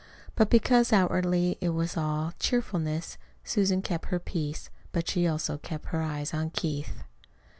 But because, outwardly, it was all "cheerfulness," Susan kept her peace; but she also kept her eyes on Keith.